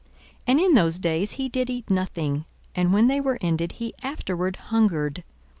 And in those days he did eat nothing: and when they were ended, he afterward hungered.